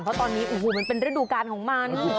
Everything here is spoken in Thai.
เพราะตอนนี้โอ้โหมันเป็นฤดูการของมัน